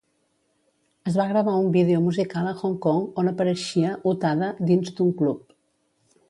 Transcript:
Es va gravar un vídeo musical a Hong Kong on apareixia Utada dins d"un club.